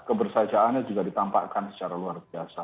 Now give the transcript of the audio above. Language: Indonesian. kebersajaannya juga ditampakkan secara luar biasa